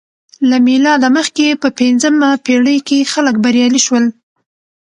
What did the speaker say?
له میلاده مخکې په پنځمه پېړۍ کې خلک بریالي شول